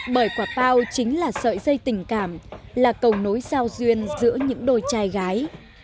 bởi quả pao chính là sợi dây tình cảm là cầu nối giao duyên giữa những đôi trai gái